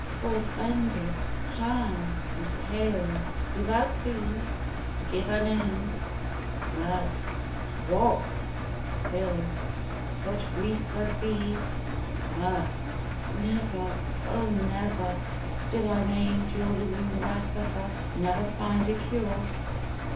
Fore fend it, Pan! and Pales, do thou please To give an end... MIRT. To what? SIL. Such griefs as these. MIRT. Never, O never! Still I may endure The wound I suffer, never find a cure.